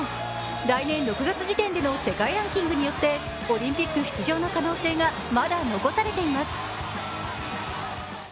来年６月時点の世界ランキングによってオリンピック出場の可能性がまだ残されています。